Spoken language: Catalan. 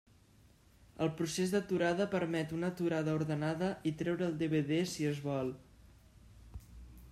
El procés d'aturada permet una aturada ordenada i treure el DVD si es vol.